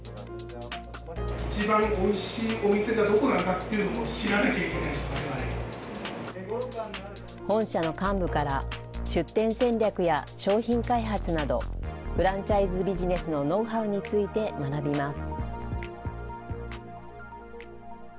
一番おいしいお店がどこなのかというのも知らなきゃいけない本社の幹部から出店戦略や商品開発など、フランチャイズビジネスのノウハウについて学びます。